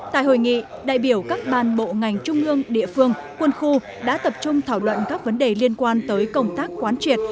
tại hội nghị đại biểu các ban bộ ngành trung ương địa phương quân khu đã tập trung thảo luận các vấn đề liên quan tới công tác quán triệt